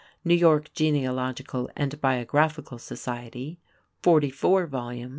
New York Genealogical and Biographical Society (44 vols.)